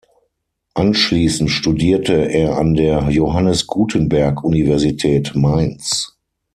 Anschließend studierte er an der Johannes Gutenberg-Universität Mainz.